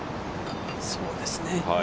そうですね。